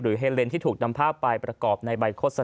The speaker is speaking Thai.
เนื่องจากว่าอยู่ระหว่างการรวมพญาหลักฐานนั่นเองครับ